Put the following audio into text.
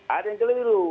ada yang keliru